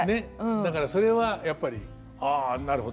だからそれはやっぱり「ああなるほど。